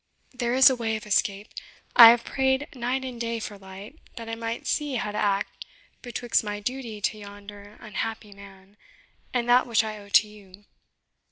There is a way of escape. I have prayed night and day for light, that I might see how to act betwixt my duty to yonder unhappy man and that which I owe to you.